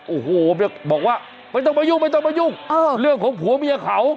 โอ้โฮบอกว่าไม่ต้องมายุ่งเรื่องของผัวเมียเขา